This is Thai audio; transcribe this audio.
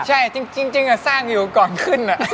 ใช่จริงสร้างอยู่ก่อนขึ้น